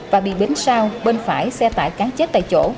và bị bến sao bên phải xe tải cá chết tại chỗ